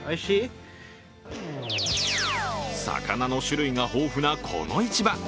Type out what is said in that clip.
魚の種類が豊富なこの市場。